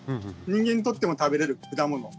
人間にとっても食べれる果物。